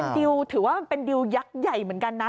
คุณมันเป็นดิวถือว่ามันเป็นดิวยักษ์ใหญ่เหมือนกันนะ